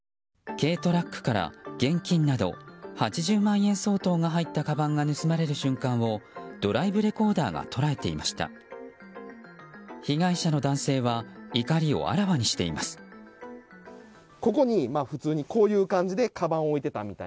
軽トラックから、現金など８０万円相当が入ったカバンが盗まれる瞬間をドライブレコーダーが捉えていました。